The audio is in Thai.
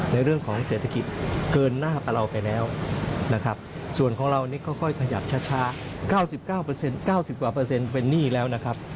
๙๙๙๐เป็นหนี้แล้วนะครับ